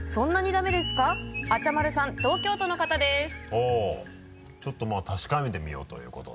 あぁちょっとまぁ確かめてみようということで。